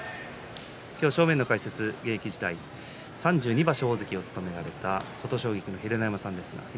今日、正面の解説現役時代３２場所大関を務められた琴奨菊の秀ノ山さんです。